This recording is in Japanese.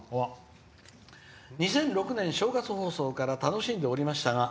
２００６年、正月放送から楽しんでおりましたが」。